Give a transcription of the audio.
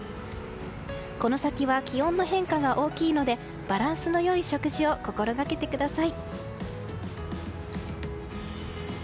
この先は気温の変化が大きいのでバランスの良い食事を心がけてください。